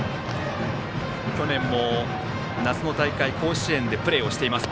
去年も夏の大会甲子園でプレーをしています。